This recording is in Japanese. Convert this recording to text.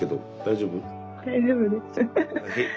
大丈夫です。